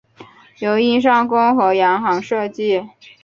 由英商公和洋行设计。